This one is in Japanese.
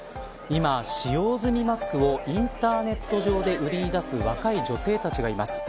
今、使用済みマスクをインターネット上で売り出す若い女性たちがいます。